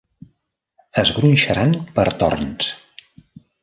Es gronxaran per torns.